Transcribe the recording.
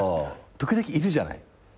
時々いるじゃない。